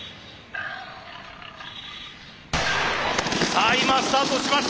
さあ今スタートしました！